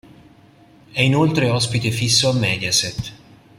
È inoltre ospite fisso a Mediaset.